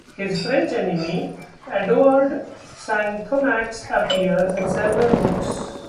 His French enemy, Edouard Santhonax appears in several books.